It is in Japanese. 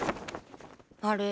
あれ？